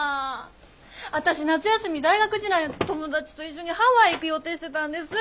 私夏休み大学時代の友達と一緒にハワイ行く予定してたんです！